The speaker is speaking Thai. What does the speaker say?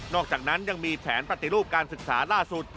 อกจากนั้นยังมีแผนปฏิรูปการศึกษาล่าสุด